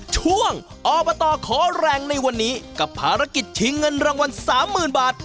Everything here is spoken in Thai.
ช่วงอบตขอแรงในวันนี้กับภารกิจชิงเงินรางวัล๓๐๐๐บาท